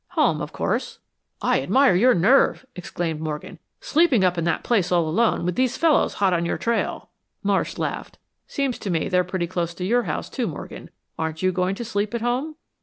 "Home, of course." "I admire your nerve!" exclaimed Morgan. "Sleeping up in that place all alone, with these fellows hot on your trail." Marsh laughed. "Seems to me they're pretty close to your house, too, Morgan. Aren't you going to sleep at home?"